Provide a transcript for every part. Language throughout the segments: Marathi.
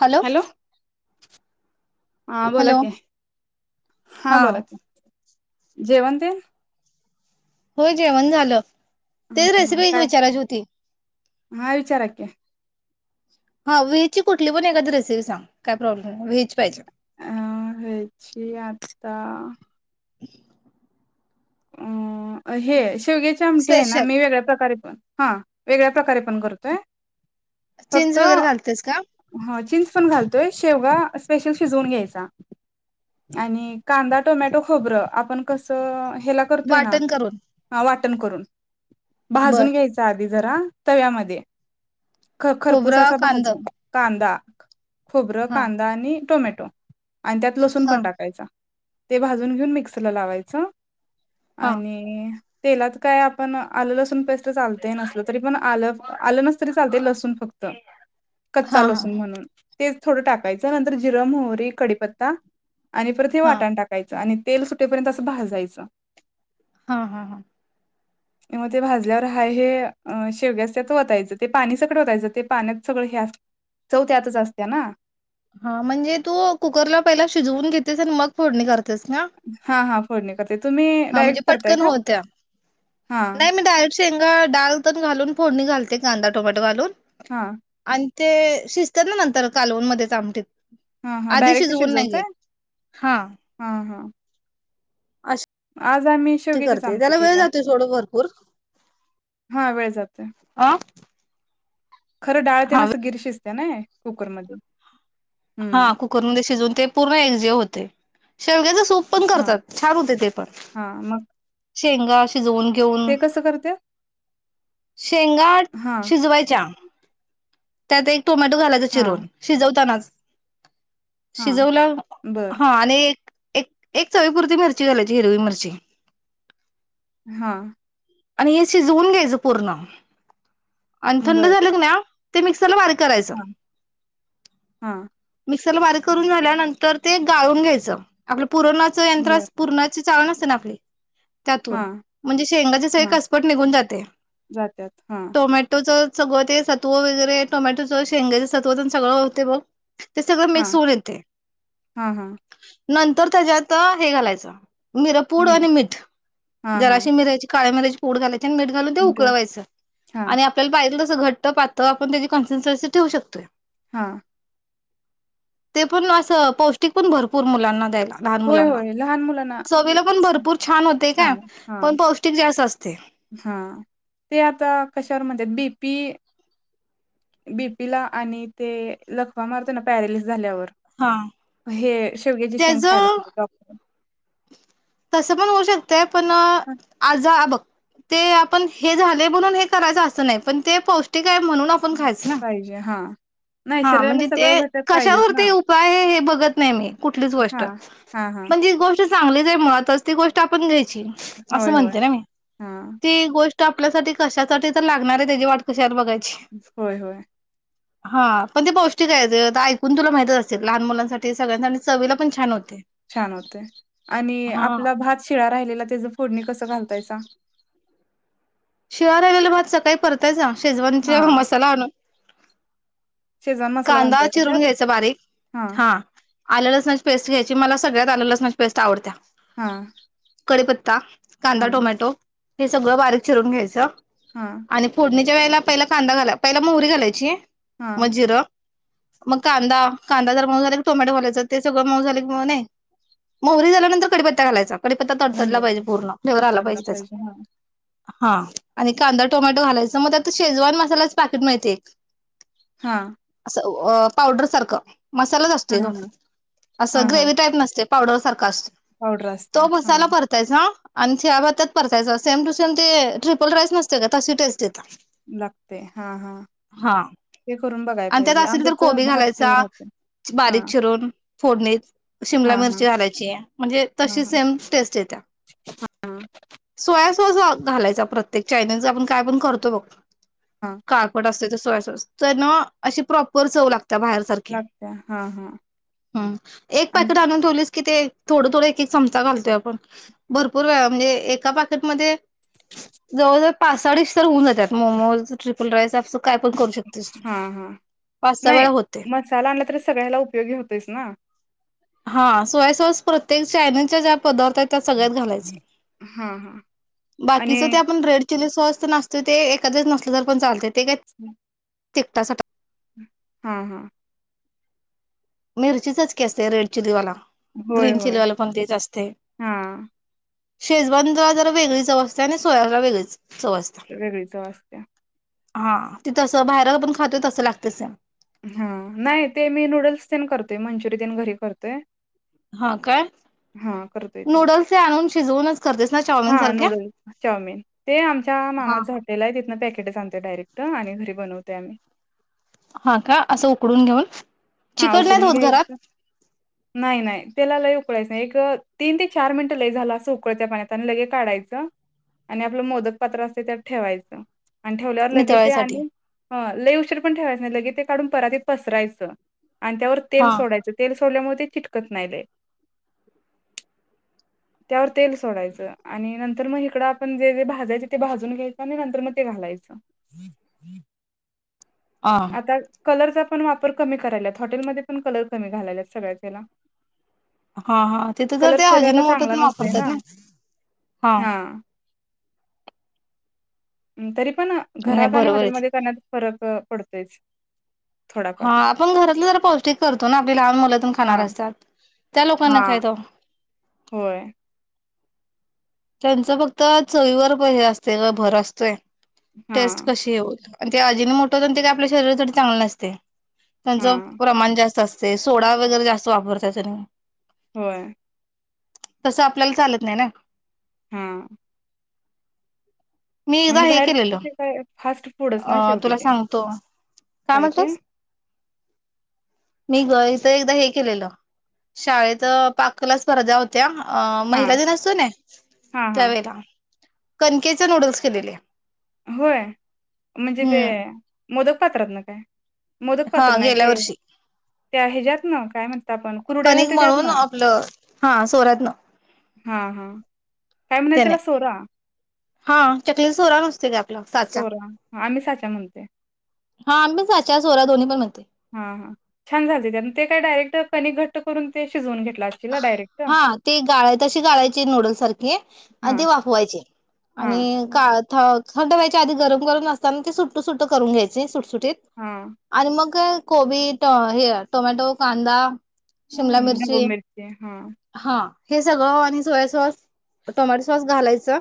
हॅलो. हा बोला हॅलो की हा बोला की जेवन टेन हो जेवण झालं. हा तेच हा रेसिपी एक काय विचाराची होती. हा विचारा की, हा व्हेजची कुठली पण एखादी रेसिपी सांग काय प्रॉब्लेम नाही व्हेज पाहिजे. अह व्हेज आता [inaudible] हे शेवग्याचे आमटे आहे ना स्पेशल मी वेगळ्या प्रकारे हा वेगळ्या प्रकारे पण करतोय. चिंच वगैरे घालतेस का. घोयेेून घ कांम ख आप शेवगा स्पेशल शिजवून घ्यायचा आणि कांदा टोमॅटो खोबर आपण कस? तेला करतोय ना. वाटण करून वाटण करून बर भाजून घ्यायच आधीच जरा तव्यामध्ये ख खोबरं खरपूसाचा कांदा भाजून कांदा खोबरं हा कांदा आणि टोमॅटो. आणि त्यात लसूण हा पण टाकायचा. ते भाजून घेऊन मिक्सरला लावायचं. हा आणि तेलात काय आपण आलं लसूण पेस्ट चालतय नसल तरी पण आलं आलं नसतरी चालते लसूण फक्त हा कच्चाल हा असून म्हणून तेच थोडं टाकायचं नंतर जिरम, होहरी कडीीपत्ता आणि पर ते हा वाटाण टाकायचं आणि तेल सुटेपर्यंत असं बास जायचं. हा हा हा. मग ते भाजल्यावर हा हे शेवग्या अस त्यात वतायचं ते पाणी सगळं वतायचं ते पाण्यात सगळं हे चव त्यातच असत्या ना. हा म्हणजे तू कुकरला पहिला शिजवून घेतेस आणि मग फोडणी करते. हा हा फोडणी कर तुम्ही. हा म्हणजे डायरेक्ट करताय पटकन का? होत्या हा नाही मी डायरेक्ट शेंगा डाल टेन घालून फोडणी घाते कांदा टोमॅटो घाून. हा. ते शिजत ना नंतर कालवन मध्ये च आमटत. हा हा डायरेक्ट शिजवतय हा. हा हा. आज आम्ही ते शेवग्याचीच करते आमटी त्याला वेळ केल्या जातो थोडं भरपूर हा वेळ अ. खरंडळतेना हा असं गिरशिस्त. नाही कुकर मध. हा कुकर म शिजवून ते पूर्ण एकजे होते. शेलग्याचे सूप पण हा करतात छान होते ते पण. हा मग शेंगा शिजवून घेऊन ते कसं करत्यात शेंगा हा शिजवायच्या. त्या ते टोमॅटो घालायचं हा चिरून शिजवतानाच. हा शिजवला बर हा आणि एक एक एक चवीपुरती मिरची घालायची हिरवी मिरची. हा. आणि हे शिजवून घ्यायचं पूर्ण. आणि थंड बर झाले क ना. ते मिक्सरला करायच हा हा मिग बारी करून झाल्यानंतर ते गाळून घ्यायचं आप पुरोनाचं यंत्र बर पुूर्णा चाल न असत ना आपले. त्यातून हा म्हणजे शेंगाचे सग हा कसपट निघून जाते जात्यात हा टोमॅटोच. सगळं ते तो वगैरे टोमॅटोच शेंग्याचं तत्वचण सगळं होते ब. ते सगळं हा मिक्स होऊन येते. हा हा नंतर त्याच्यात हे घालायचं. मिर पूड मी आणि मीठ हा हा जराशी मिरायची काळे मिरायची. होोड गा. मीठ घालून मी ठेवू उकयच हा आणि आपल्याला पा घट्ट तर आपण त्याची कॉन्ट्रेसी ठेू शकतोय हा ते पण अस पौष्टिक पण भरपूर मुलांना द्यायला लहान होय मुलांना होय लहान मुलांना चवीला पण भरपूर होते काय छान आहे हा पण पौष्टिक जास्त असते हा ते आता कशावर म्हणतात बीप ते बीपी ला आणि ते लखवा मारतो ना पैरालिसिस झाल्यावर हा हे शेवग्याचे शेंग त्याच खायला सांगितलं डॉक्टर अस पण होऊ शकते आपण डॉक्टरांनी. आज बघ ते आपण हे झाले म्हणून हे करायचं असं नाही पण ते पौष्टिक आहे म्हणून आपण खायचं ना पाहिजे हा नाही हा शरीराला म्हणजे सगळं ते घटक पाहिजेत कशावर ना ते उपाय हे बघत नाही मी कुठलीच हा गोष्ट हा हा पण जी गोष्ट चांगली मुळातच ती गोष्ट आपण घ्यायची असं होय होय म्हणते ना मी हा ते गोष्ट आपल्यासाठी कशासाठी तर लागणार आहे त्याची वाट कशाला बघायचं होय हो हा पण ते पौष्टिक आहे ज ऐकून तुला माहितच असेल लहान मुलांसाठी सगळ्यां चवीला पण छान होते छान होते आणि हा आपला भात शिळा राहिलेला त्याच फोडणी कसं घालतायचा शिळा रालेला भात सकाळी परतायचं हा शेजवनचे मसाला आणून शेजवान मसाला कांदा घालताय का चिरून त्यात घ्यायचा बारीक हा आलं लसणाची पेस्ट घ्यायची मला सगळ्यात आलं लसणीची पेस्ट आवडत्या हा कडीपत्ता हा कांदा टोमॅटो हे सगळं बारीक चिरून घ्यायचं हा आणि फोडणी त्या वेळेला पहिला कांदा घालाय, पहिला मोहरी घालायची हा मग जीर मग कांदा, कांदा जर मऊ झाला क टोमॅटो घालायच ते सगळं मऊ झालं की नाय, मोहरी झाल्यानंतर कढीपत्ता घालायचा कढीपत्ता तडतडला पाहिजे घालायचा पूर्ण फ्लेवर आला तडतडला पाहिजे हा त्याचा हा आणि कांदा टोमॅटो घालायच मग आता शेजवान मसालाच पॅकेट मिळते एक हा पावडर सारखं मसालाच हा असते ग, हा असं हा हा ग्रेव्ही टाईप नसतय. पावडर सारखा असं पावडर असत्या तो हा मसाला भरतायस ना? आणि शिळाभातत परतायचं सेम टू सेम ते ट्रिपल राईस नसते का तशी टेस्ट येते. लागते. हा हा हा ते करून बघाय आणि पाहिजे त्यात असल तर आमच्यात कोबी भात लय घालायचा राहतोय हा बारीक चिरून फोडणीत, शिमला हा हा मिरची घालायची म्हणजे हा तशी हा सेम टेस्ट येत्या. सोया तस घालायचा प्रत्येक चायनीज च आपण काय पण करतो बघ. हा काळपट असतय सोया सॉस. [unintelligible] अशी प्रॉपर चव लाग त्या बाहेर सारखी. लागत्या हा हा हं. एक आणि पाकीट आणून ठेवलीस कि ते थोडं थोड एक, एक चमचा घालतोय आपण भरपूर वेळा म्हणजे एका पाकेटमध्ये जवळजवळ पाच, सहा डिश तर होऊन जाते. त्यात मोमोज बुलस आप [unintelligible] काय पण करू शकतेस तू. हा हा पाच सहा नाही. वेळा होते मसाला आणला तरी सगळ्याला उपयोगी होतोयच ना. हा. सोया सॉस प्रत्येक चायनीजच्या ज्या पदार्थ आहेत त्या सगळ्यात घालायच. हा हा आणि बाकीच ते आपण रेड चिली सॉस ते असतय ते एखाद्या वेळेस नसल तर पण चालतय. हम् [unintelligible] तिखटासाठी हा हा. मिरचीचच की असतय रेड चिली वाला. होय ग्रीन चिली होय वाला पण तेच असतय. हा शेजवान ला जरा वेगळीच चव असत्या आणि सोयाला वेगळीच. चव असते वेगळी चव असत्या. हा. ते तसं बाहेर आपण खातो तसं लागतय सेम. हा नाही. ते मी नूडल्स ते करतोय, मंचुरियन घरी करतोय. हा काय? हा करतोय ते. नूडल्स हे आणून शिजवूनच. करतेस ना हा. चाऊमिन सारख्या? नूडल् चाउमिन, ते आमच्या हा मामाचं हा. हॉटेल आहे तिथ न पॅक तेच आणतोय डायरेक्ट आणि घरी बनवतोय आम्ही. हा का असं उकडून घेऊन. हा चिकट नाहीत उकडून होत घरात घ्यायच नाही नाही त्याला लय उकळायचं नाही एक तीन ते चार मिनिटं लय झालं असं उकळत पाण्यात आणि लगे काढायचं आणि आपलं मोदक पात्र असते त्यात ठेवायचं आणि ठेवल्यावर लगेच ते नितळायसाठी. आणि लय उशीर पण ठेवायच नाही लगे ते काढून परातीत पसरायचं आणि त्यावर तेल हा सोडायचं तेल सोडल्यामुळे ते चिटकत नाही त्यावर तेल सोडायच आणि नंतर मग इकड आपण जेे भाजायच ते भाजून घ्यायचं आणि नंतर मग ते घालायच आ आता कलरचा पण वापर कमी कर करायल्यात हॉटेलमध्ये पन कलर कमी घालायल्यात सगळ्याच ह्याला. हा, हा, तिथं तर कलर ते अजिनो शरीराला मोटो न चांगला ते नसतोय वापरतात ना नै! हा. हं. तिथे पण नाही घरात आणि बरोबर आहे ते. हॉटेलमध्ये करण्यात फरक जातो. पडतंयचं. हा आपण घरातन जरा पौस्टिक करतो न, आपली लहान मुलं पन हा खानारी असतात. त्या लोकांना हा काय तवा? होय. त्यांचं फक्त चवीवर भय असतंय ग भर असतंय. हा टेस्ट कशी येवो. आणि ते अजिनो मोटो न ते आपल्या शरीरासाठी चांगल नसतंय. त्यांच, हा प्रमाण जास्त असं ते सोडा वैगरे जास्त वापर त्याच्यातनी.. होय. तसं आपल्याला चालत नाही ना? हा. रिकामा ऑडिओ आणि बाहेर कुठे काय? फास्ट फूडच अ ना शेवटी तुला ते. सांगतो काय ते? मी गाईचं एकदा हे केलेलं, शाळेच पाककलेच्या स्पर्धा होत्या ना! अं.. हा महिला दिन असतो कीं नाय हा हा तवेरा. कनकेच नूडल्स केलेले. होय. म्हणजे हम्म ते.... मोदक पात्रात ना काय? मोदक हा पात्र नाही गेल्या ते. वर्षी ते ह्याच्यात ना काय म्हन कनिक मळून, आपल हा, सोऱ्यात्न. हा. हा. काय म्हणायचं त्याने. त्याला सोरा हा, चकलीचा सोरा नस [unintelligible] साचा. सोरा आम्ही साचा म्हणते हा आम्ही पन साचाच. सोरा दोन्ही पन म्हणतंय. हा. हा. छान झालतंय ते. न ते काय डायरेक्ट कनिक घट्ट करून ते शिजवून घ्या हा ते गाळाय तशी गाळायचे नूडल् सारखे आणि हां ते वाफवायचे आणि हां का थंड वय आधी गरम करून असताना ते सुट्ट सुट्ट करून घ्यायचे सुट सुट्ट हां आणि मग गबी हे टोमॅटो कांदा शिमला मिरची हा हा हे सगळं आणि सोया सॉस टोमॅटो सॉस घालायचं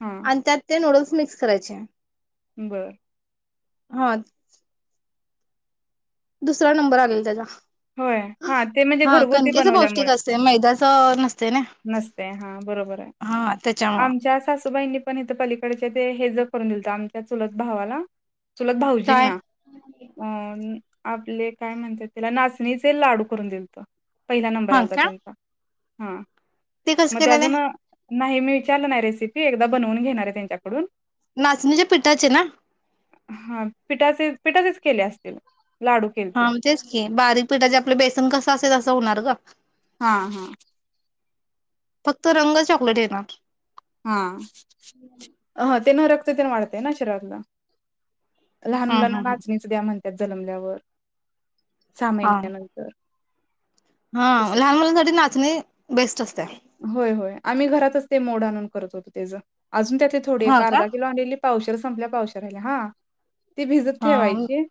हां, अंत ते नोड मिक्स करायचे बरं हा दुसरा नंबर आलेल त्याचा होय हा ते म्हणजे घरगुती बनवल्यामुळे स न नसते हा बरोबर आहे हा त्याच्यामुळं आमच्या सासूबाईनी पणथ पलीकडचे ते हे ज करून दिलत आमच्या चुलत भावाला चुलत भाऊजीं काय ना अ आपले काय म्हणतात त्याला नाचणीचे लाडू करून दिलत पहिला नंबर हा आलता का त्यांचा हा ते कसं केलेले नाही मी विचारलं नाही रेसिपी एकदा बनवून घेणार आहे त्यांच्याकडून नाचणीच्या पिठाचे ना हा पिठाचे पिठाचेच केले असतील लाडू केलते. हा म्हणजेच की बारीक पिठाचे आपले बेसन कसं असेल असं होणार का हा हा फक्त रंग चॉकलेट येणार हा अ ते ना रक्त तेन वाढतय ना शरीरातला लहान हम् मुलांना हम हम नाचणीच द्या म्हणते त्यात जलमल्यावर सा हा. महिन्यानंतर हा तसं लहान मुलांसाठी नाचणी बेस्ट असते होय होय आम्ही घरातच ते मोड आणून करत होतो तेचं अजून त्या ते थोडी एक हा का? अर्धा किलोलेली पावशेर संपलं, पावशेर राहिले हा ती भिजत हा ठेवायची,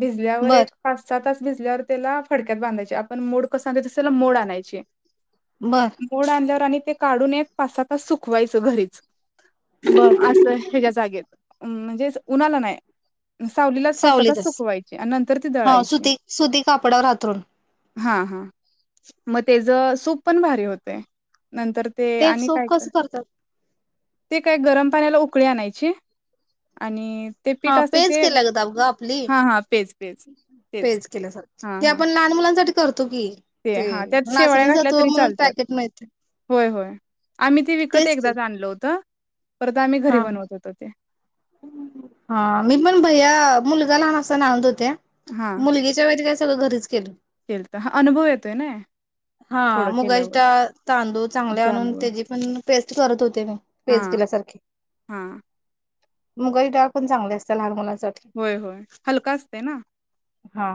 भिजल्यावर बर एक पाच सहा तास भिजल्यावर त्याला फडक्यात बांधायची, आपण मोड कसे आणत? तस त्याला मोड आणायची बर बोड आणल्यावर आणि ते काढून एक पाच सहा तास सुकवायचं घरीच. बर असय हेज्या जागेत म्हणजे उन्हाला नाही सावलीलाच पाच सहा तास सावलीतच सुकवायची आणि नंतर ती हो दळायची सुती सुती कापडावर अंथरून. हां हां मग ते ज सूप पण भारी होत ते- - नंतर ते आणि सूप काय कर कसं करतात? [inaudible] ते काय गरम पाण्याला उकळी आणायची आणि ते पीठ हा असते पेज ते केली ग आपली हां हां पेज पेज तेच पेज केल्यासारखा हां ते हां आपण लहान मुलांसाठी तकी ते हां त्यात शेवाळ्या नाचणी घातल्या सत्व तरी म्हणून चालत्यात. पॅकेट मिळतय होय होय आम्ही ते विकत एकदाच आणल होतं. परत आम्ही घरी हा बनवत होतो ते हा मी पण, भैया, मुलगा लहान असताना आण होते. हां मुलगी च्या वेळेस [inaudible] सगळ घरीच केलं. केलतं हां अनुभव येतोय ना हा थोडं मुगा ची केल्यावर डाळ तांदूळ चांगले आणून तांदूळ त्याची पण पेस्ट करत होते म पेज हां केल्या सारखी [inaudible] हां मुगाचीडाळ पण चांगली अस त्या लहान मुलान साठी होय होय हलका असते ना. हा